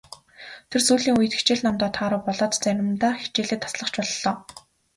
Тэр сүүлийн үед хичээл номдоо тааруу болоод заримдаа хичээлээ таслах ч боллоо.